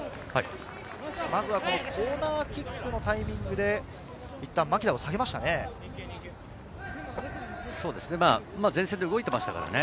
コーナーキックのタイミングでいったん牧田を下げましたね。